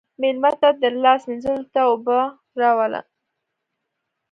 مېلمه ته لاس مینځلو ته اوبه راوله.